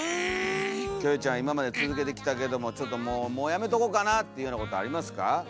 キョエちゃん今まで続けてきたけどももうやめとこかなっていうようなことありますか？